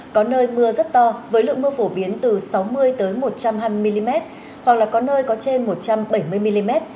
có nơi mưa rất to với lượng mưa phổ biến từ sáu mươi một trăm hai mươi mm hoặc là có nơi có trên một trăm bảy mươi mm